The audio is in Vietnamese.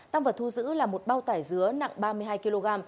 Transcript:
tăng vật thu giữ là một bao tải dứa nặng ba mươi hai kg